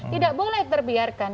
tidak boleh terbiarkan